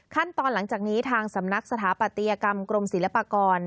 หลังจากนี้ทางสำนักสถาปัตยกรรมกรมศิลปากร